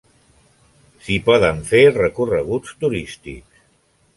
S'hi poden fer recorreguts turístics.